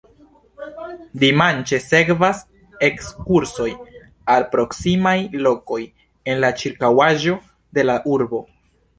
Dimanĉe sekvas ekskursoj al proksimaj lokoj en la ĉirkaŭaĵo de la urbo.